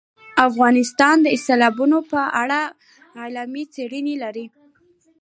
افغانستان د سیلابونو په اړه پوره علمي څېړنې لري.